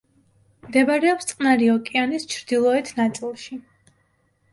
მდებარეობს წყნარი ოკეანის ჩრდილოეთ ნაწილში.